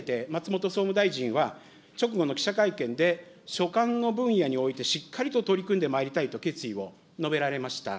これを受けて、松本総務大臣は、直後の記者会見で、所管の分野においてしっかりと取り組んでまいりたいと決意を述べられました。